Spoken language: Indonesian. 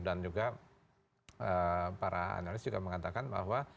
dan juga para analis juga mengatakan bahwa